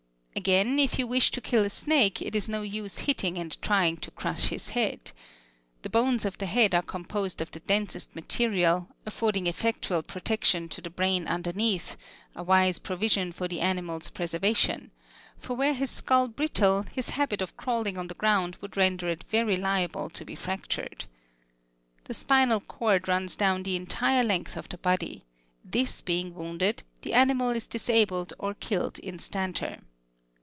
Again, if you wish to kill a snake, it is no use hitting and trying to crush his head. The bones of the head are composed of the densest material, affording effectual protection to the brain underneath: a wise provision for the animal's preservation; for were his skull brittle, his habit of crawling on the ground would render it very liable to be fractured. The spinal cord runs down the entire length of the body; this being wounded, the animal is disabled or killed instanter.